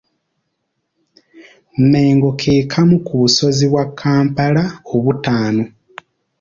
Mmengo ke kamu ku busozi bwa Kampala obutaano.